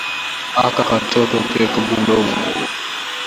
Aka katoto keko bulombo